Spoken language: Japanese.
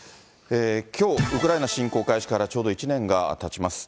きょう、ウクライナ侵攻開始からちょうど１年がたちます。